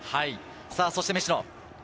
そして食野。